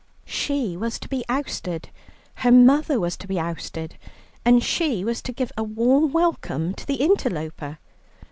She was to be ousted, her mother was to be ousted, and she was to give a warm welcome to the interloper.